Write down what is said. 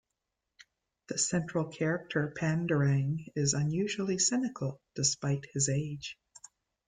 The central character, Pandurang is unusually cynical despite his age.